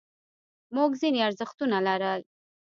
موږ ځینې ارزښتونه لرل.